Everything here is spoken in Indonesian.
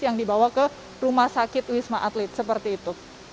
yang dibawa ke rumah sakit wisma atlet seperti itu